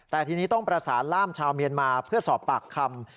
แต่ทีนี้ต้องประสานล่ามชาวเมียนมาเพื่อสอบปากคำ